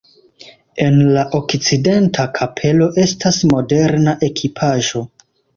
En la okcidenta kapelo estas moderna ekipaĵo.